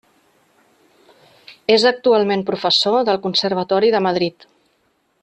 És actualment professor del Conservatori de Madrid.